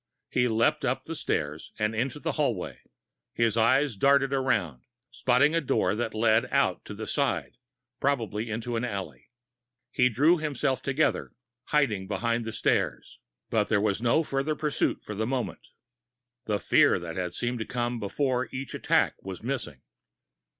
He leaped up the steps and into the hallway. His eyes darted around, spotting a door that led out to the side, probably into an alley. He drew himself together, hiding behind the stairs. But there was no further pursuit for the moment. The fear that seemed to come before each attack was missing.